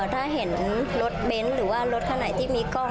ถ้าเห็นรถเบนท์หรือว่ารถคันไหนที่มีกล้อง